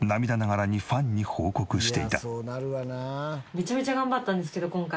めちゃめちゃ頑張ったんですけど今回。